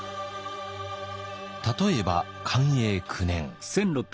例えば寛永９年。